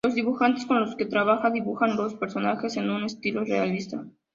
Los dibujantes con los que trabaja dibujan los personajes en un estilo realista.